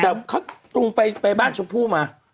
แต่เขาตรงไปบ้านชมพู่มา